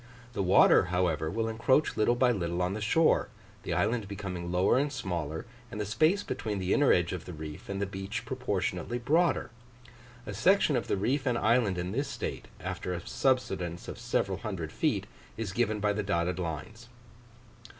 The water, however, will encroach little by little on the shore, the island becoming lower and smaller, and the space between the inner edge of the reef and the beach proportionately broader. A section of the reef and island in this state, after a subsidence of several hundred feet, is given by the dotted lines.